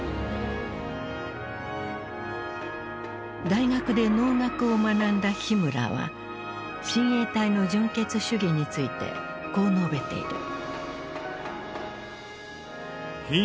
大学で農学を学んだヒムラーは親衛隊の純血主義についてこう述べている。